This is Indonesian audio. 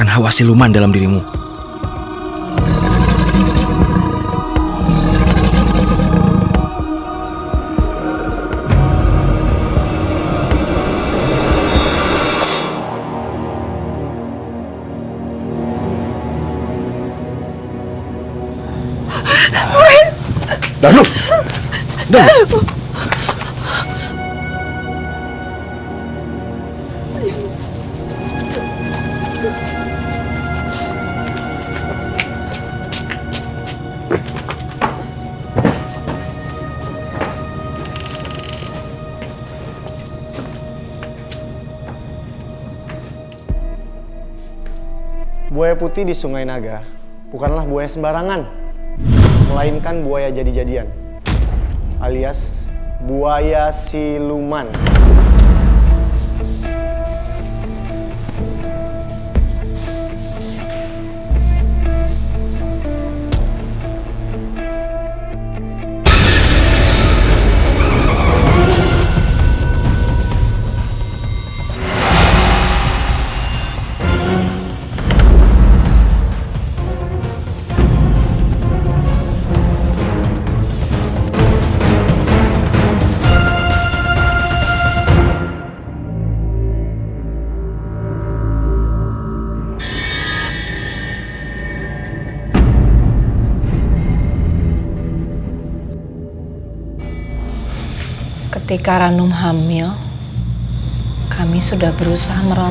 hari ari itu sekarang ari dalam tubuhmu